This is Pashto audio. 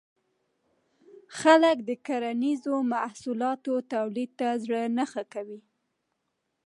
خلک د کرنیزو محصولاتو تولید ته زړه نه ښه کوي.